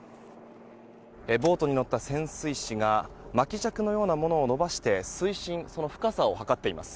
ボートに乗った潜水士が巻き尺のようなものを伸ばして水深、深さを測っています。